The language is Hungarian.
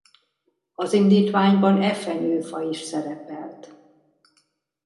Az indítványban e fenyőfa is szerepelt.